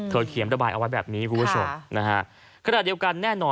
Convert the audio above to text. เถิดเขียมระบายเอาไว้แบบนี้คุณผู้ชม